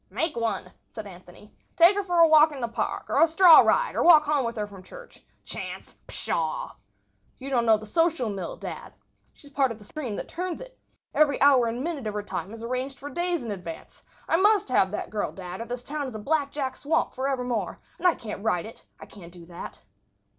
"Make one," said Anthony. "Take her for a walk in the park, or a straw ride, or walk home with her from church. Chance! Pshaw!" "You don't know the social mill, dad. She's part of the stream that turns it. Every hour and minute of her time is arranged for days in advance. I must have that girl, dad, or this town is a blackjack swamp forevermore. And I can't write it—I can't do that."